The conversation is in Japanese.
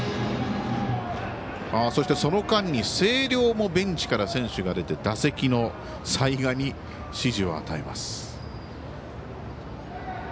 そして、その間に星稜もベンチから選手が出て打席の齊賀に指示を与えます。